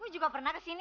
gue juga pernah kesini